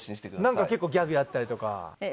なんか結構ギャグやったりとか。